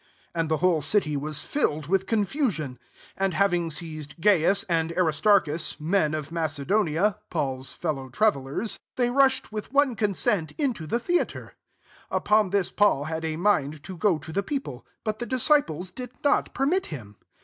29 And the whole city was filled '^ith confusion ; and hav ing seized Gaius and Aristar chus, men of Macedonia, Paul's fellow travellers, they rushed with one consent into the thea tre. 30 Upon this Paul had a mind to go to the people, but the disciples did not permit him.